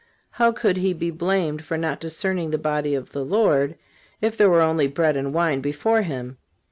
How could he be blamed for not discerning the body of the Lord, if there were only bread and wine before him?